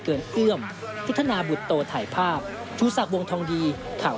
ที่จะติดทีมชาติในวันข้างหน้าครับ